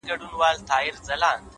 خيال ويل ه مـا پــرې وپاسه،